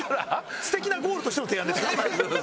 ステキなゴールとしての提案ですね。